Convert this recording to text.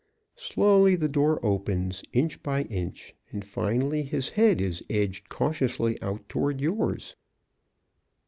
Slowly the door opens, inch by inch, and, finally his head is edged cautiously out toward yours.